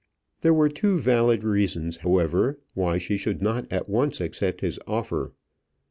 There were two valid reasons, however, why she should not at once accept his offer.